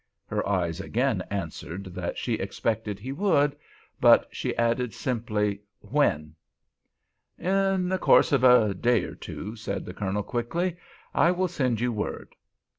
Her eyes again answered that she expected he would, but she added, simply, "When?" "In the course of a day or two," said the Colonel, quickly. "I will send you word."